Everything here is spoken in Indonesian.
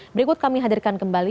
berikut kami hadirkan kembali